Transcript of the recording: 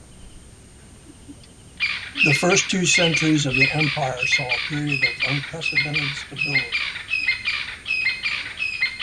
The first two centuries of the Empire saw a period of unprecedented stability.